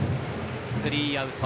スリーアウト。